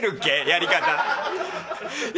やり方。